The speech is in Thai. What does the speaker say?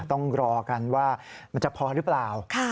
ต้องรอกันว่ามันจะพอหรือเปล่า